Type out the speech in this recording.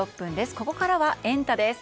ここからはエンタ！です。